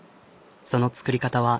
その作り方は。